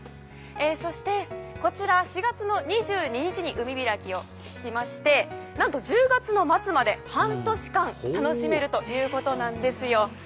そして、こちら４月の２２日に海開きをしまして何と１０月の末まで半年間楽しめるということです。